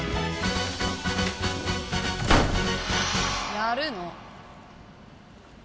やるの。